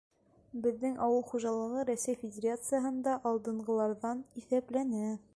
— Беҙҙең ауыл хужалығы Рәсәй Федерацияһында алдынғыларҙан иҫәпләнә.